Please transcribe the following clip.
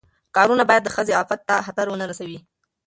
کارونه باید د ښځې عفت ته خطر ونه رسوي.